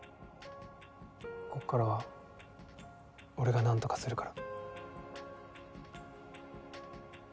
こっからは俺が何とかするから。